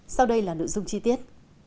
sau đây là nội dung chi tiết